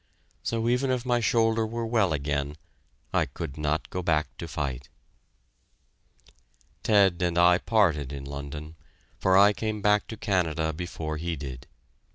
So even if my shoulder were well again, I could not go back to fight. Ted and I parted in London, for I came back to Canada before he did.